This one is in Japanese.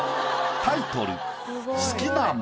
タイトル